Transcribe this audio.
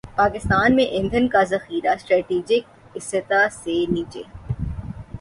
پاکستان میں ایندھن کا ذخیرہ اسٹریٹجک سطح سے نیچے